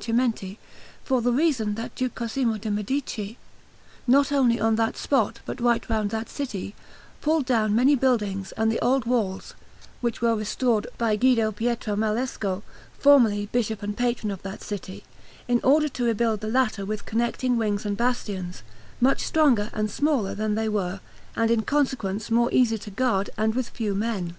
Chimenti, for the reason that Duke Cosimo de' Medici, not only on that spot but right round that city, pulled down many buildings and the old walls (which were restored by Guido Pietramalesco, formerly Bishop and Patron of that city); in order to rebuild the latter with connecting wings and bastions, much stronger and smaller than they were, and in consequence more easy to guard and with few men.